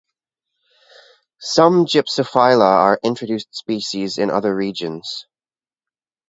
Some "Gypsophila" are introduced species in other regions.